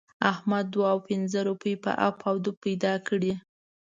احمد دوه او پينځه روپۍ په اپ و دوپ پیدا کړې.